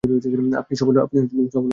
আপনি সফল হয়েছেন।